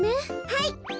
はい。